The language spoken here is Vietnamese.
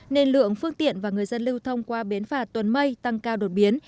nên lượng phương tiện và người dân lưu thông qua bến phà tuần mây tăng cao đột biến